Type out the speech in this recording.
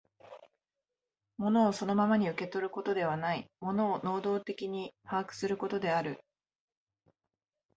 物をそのままに受け取ることではない、物を能働的に把握することである。